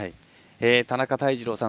田中泰二郎さん